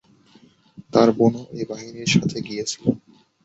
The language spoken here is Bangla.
তার বোনও এ বাহিনীর সাথে গিয়েছিল।